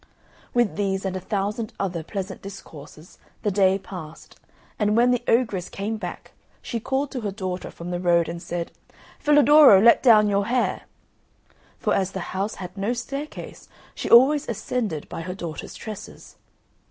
With these and a thousand other pleasant discourses the day passed, and when the ogress came back she called to her daughter from the road and said, "Filadoro, let down your hair," for as the house had no staircase she always ascended by her daughter's tresses.